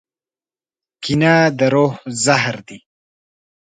کینه د روح زهر دي.